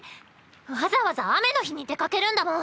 わざわざ雨の日に出かけるんだもん。